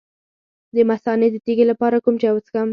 د مثانې د تیږې لپاره کوم چای وڅښم؟